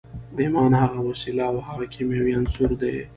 ایمان هغه وسیله او هغه کیمیاوي عنصر دی